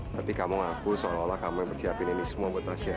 tapi kamu ngaku soal olah kamu yang persiapin ini semua buat tasya